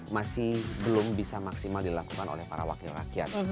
masih belum bisa maksimal dilakukan oleh para wakil rakyat